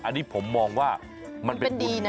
อันนี้ผมมองว่ามันเป็นบุญนะ